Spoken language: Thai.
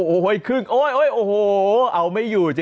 โอ้เหิดจ๊ะโอ้เหิดจ๊ะ